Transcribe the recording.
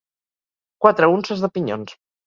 Quatre unces de pinyons.